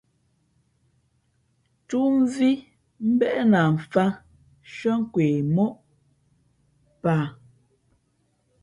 Tú mvī mbéʼ na mfāt nshʉ́ά kwe móʼ paa.